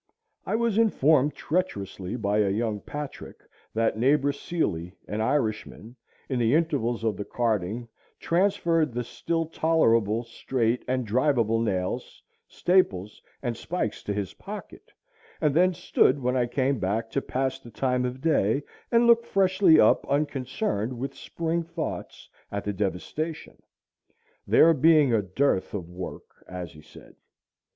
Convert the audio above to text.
I was informed treacherously by a young Patrick that neighbor Seeley, an Irishman, in the intervals of the carting, transferred the still tolerable, straight, and drivable nails, staples, and spikes to his pocket, and then stood when I came back to pass the time of day, and look freshly up, unconcerned, with spring thoughts, at the devastation; there being a dearth of work, as he said.